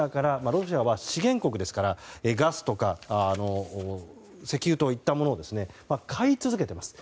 ロシアは資源国ですからガスとか石油といったものを買い続けています。